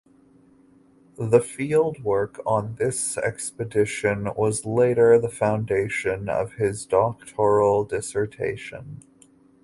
The field work on this expedition was later the foundation of his doctoral dissertation.